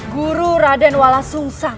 guru radenwala sungsang